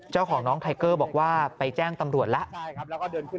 เจ้าของน้องไทเกอร์บอกว่าไปแจ้งตำรวจแล้ว